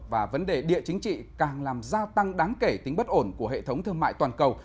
và vấn đề địa chính trị càng làm gia tăng đáng kể tính bất ổn của hệ thống thương mại toàn cầu